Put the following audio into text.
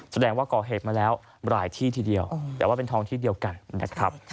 แสดงว่าก่อเหตุมาแล้วหลายที่ทีเดียวแต่ว่าเป็นทองที่เดียวกันนะครับ